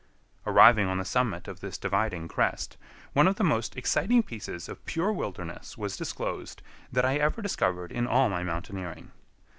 Arriving on the summit of this dividing crest, one of the most exciting pieces of pure wilderness was disclosed that I ever discovered in all my mountaineering.